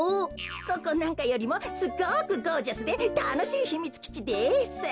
ここなんかよりもすごくゴージャスでたのしいひみつきちです。